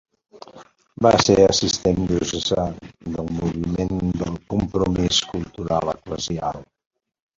Va ser assistent diocesà del Moviment de Compromís Cultural eclesial.